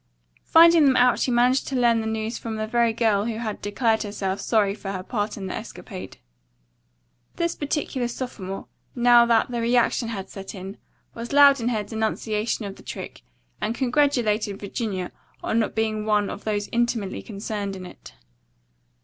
Finding them out she managed to learn the news from the very girl who had declared herself sorry for her part in the escapade. This particular sophomore, now that the reaction had set in, was loud in her denunciation of the trick and congratulated Virginia on not being one of those intimately concerned in it.